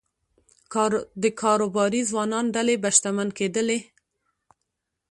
د کاروباري ځوانانو ډلې به شتمن کېدلې